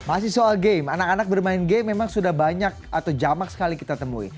masih soal game anak anak bermain game memang sudah banyak atau jamak sekali kita temui